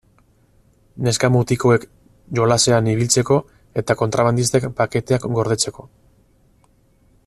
Neska-mutikoek jolasean ibiltzeko eta kontrabandistek paketeak gordetzeko.